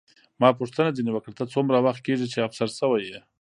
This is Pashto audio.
ما پوښتنه ځیني وکړه، ته څومره وخت کېږي چې افسر شوې یې؟